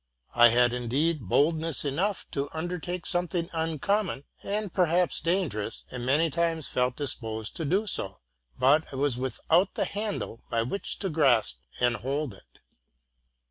I had indeed boldness enough to un dertake something uncommon and perhaps dangerous, and many times felt disposed to do so; but I was 'Without. the handle by which to grasp and hold it.